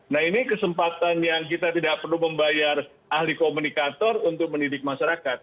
nah ini kesempatan yang kita tidak perlu membayar ahli komunikator untuk mendidik masyarakat